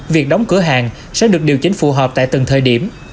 việc đóng cửa hàng sẽ được điều chỉnh phù hợp tại từng thời điểm